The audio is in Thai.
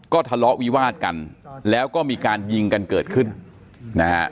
ก็ทะเลาะวิวาดกันแล้วก็มีการยิงกันเกิดขึ้นนะฮะ